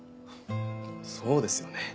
そうですよね